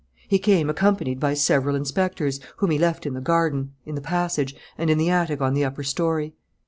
He came accompanied by several inspectors, whom he left in the garden, in the passage, and in the attic on the upper story.